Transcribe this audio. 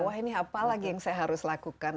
wah ini apa lagi yang saya harus lakukan